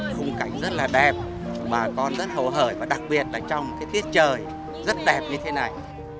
khung cảnh rất là đẹp bà con rất hồ hởi và đặc biệt là trong cái tuyết trời rất đẹp như thế này